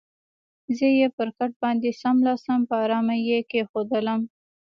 زه یې پر کټ باندې څملاستم، په آرامه یې کېښودلم.